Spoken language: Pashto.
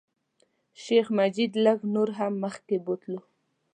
شیخ مجید لږ نور هم مخکې بوتلو.